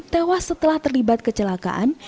tewas setelah terlibat kecelakaan